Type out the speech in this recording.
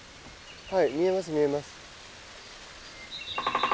はい見えます見えます。